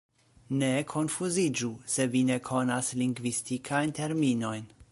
Ne konfuziĝu, se vi ne konas lingvistikajn terminojn.